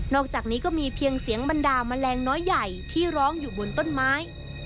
อกจากนี้ก็มีเพียงเสียงบรรดาแมลงน้อยใหญ่ที่ร้องอยู่บนต้นไม้